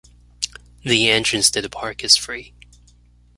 The entrance to the park is free.